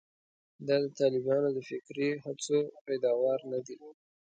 دا د طالبانو د فکري هڅو پیداوار نه دي.